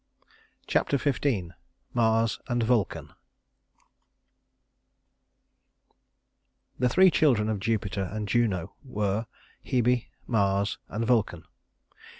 Chapter XV Mars and Vulcan I The three children of Jupiter and Juno were Hebe, Mars, and Vulcan.